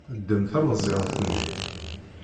Ddem tameẓyant-nni.